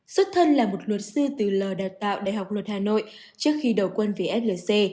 xuất thân là một luật sư từ lờ đào tạo đại học luật hà nội trước khi đầu quân về flc